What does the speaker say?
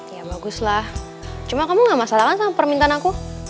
ya baguslah cuma kamu ga masalah kan sama permintaan aku